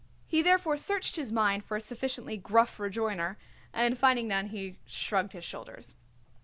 He therefore searched his mind for a sufficiently gruff rejoinder, and finding none he shrugged his shoulders.